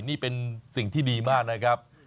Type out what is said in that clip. นี่เป็นสิ่งที่ดีมากนะครับ